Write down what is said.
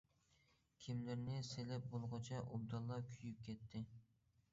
كىيىملىرىنى سېلىپ بولغۇچە ئوبدانلا كۆيۈپ كەتتى.